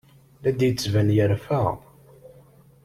La d-yettban yerfa.